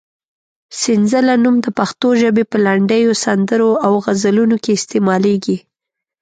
سنځله نوم د پښتو ژبې په لنډیو، سندرو او غزلونو کې استعمالېږي.